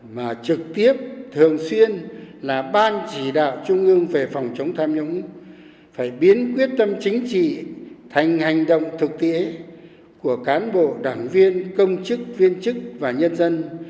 mà trực tiếp thường xuyên là ban chỉ đạo trung ương về phòng chống tham nhũng phải biến quyết tâm chính trị thành hành động thực tiễn của cán bộ đảng viên công chức viên chức và nhân dân